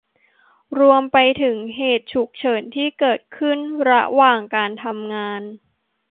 รวมไปถึงเหตุฉุกเฉินที่เกิดขึ้นระหว่างการทำงาน